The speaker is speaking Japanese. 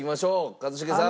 一茂さん。